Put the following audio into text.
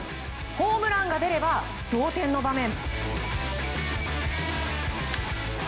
ホームランが出れば同点の場面。